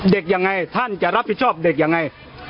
ยังไงท่านจะรับผิดชอบเด็กยังไง